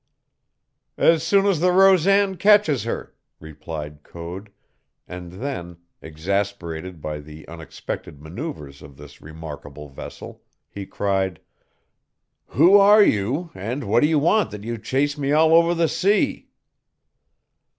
_" "As soon the Rosan catches her," replied Code, and then, exasperated by the unexpected maneuvers of this remarkable vessel, he cried: "Who are you and what do you want that you chase me all over the sea?"